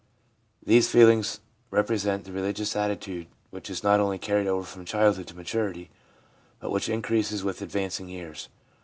These feelings represent the religious attitude which is not only carried over from childhood to maturity, but which increases with advancing years.